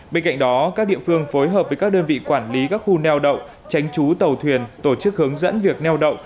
bên cạnh đó các địa phương phối hợp với các đơn vị quản lý các khu neo đậu tránh trú tàu thuyền tổ chức hướng dẫn việc neo đậu